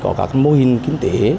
có các mô hình kinh tế